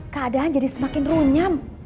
keadaan jadi semakin runyam